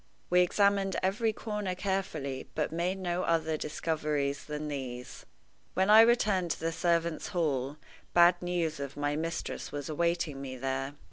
We examined every corner carefully, but made no other discoveries than these. When I returned to the servants' hall, bad news of my mistress was awaiting me there.